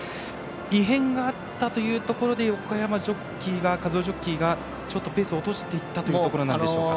異変があったというところで横山和生ジョッキーがちょっとペースを落としていったというところなんでしょうか？